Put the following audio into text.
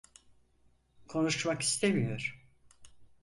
Konuşmak istemiyor.